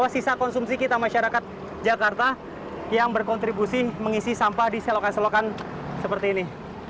kita juga berantakan sampai yang artis daripada setingga sisi